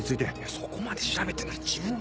そこまで調べてんなら自分で。